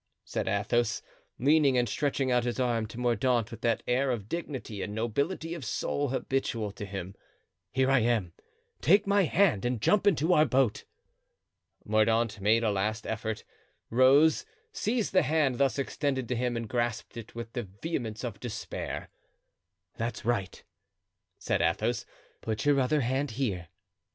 said Athos, leaning and stretching out his arm to Mordaunt with that air of dignity and nobility of soul habitual to him; "here I am, take my hand and jump into our boat." Mordaunt made a last effort—rose—seized the hand thus extended to him and grasped it with the vehemence of despair. "That's right," said Athos; "put your other hand here."